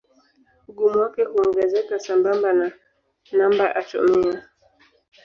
Ugumu wake huongezeka sambamba na namba atomia.